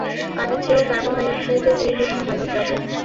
পানির চেয়েও কার্বন ডাইঅক্সাইডের এই রূপ ভাল দ্রাবক।